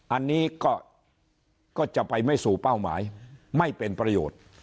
อันนี้ก็จะไปไม่สู่เป้าหมายไม่เป็นประโยชน์